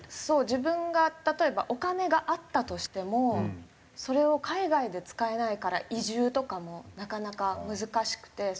自分が例えばお金があったとしてもそれを海外で使えないから移住とかもなかなか難しくて。